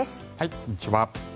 こんにちは。